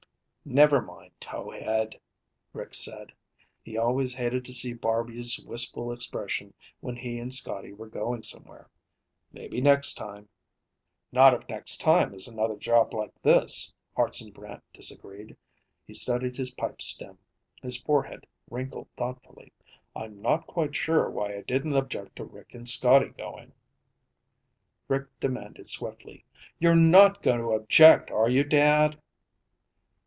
"Never mind, towhead," Rick said. He always hated to see Barby's wistful expression when he and Scotty were going somewhere. "Maybe next time." "Not if next time is another job like this," Hartson Brant disagreed. He studied his pipe stem, his forehead wrinkled thoughtfully. "I'm not quite sure why I didn't object to Rick and Scotty going." Rick demanded swiftly, "You're not going to object, are you, Dad?"